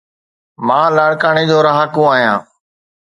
مان لاڙڪاڻي جو رھاڪو آھيان.